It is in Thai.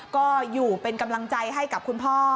ก็อยู่เป็นกำลังใจให้กับคุณพ่อ